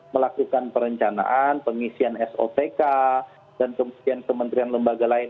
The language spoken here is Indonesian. melakukan perencanaan pengisian sotk dan kemudian kementerian lembaga lain